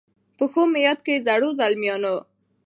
په ښو مي یاد کړی زړو، زلمیانو